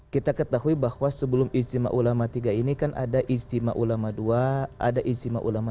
kita ketahui bahwa sebelum ijtima ulama tiga ini kan ada ijtima ulama dua ada ijtima ulama